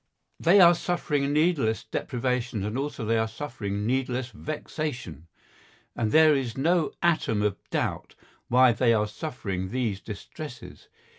They are suffering needless deprivation and also they are suffering needless vexation. And there is no atom of doubt why they are suffering these distresses.